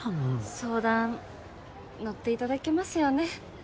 相談乗っていただけますよね？